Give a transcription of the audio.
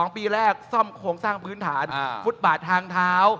๒ปีแรกซ่อมโครงสร้างพื้นฐานฟุตบาททางเท้า